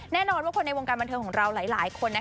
แน่นอนว่าคนในวงการบันเทิงของเราหลายคน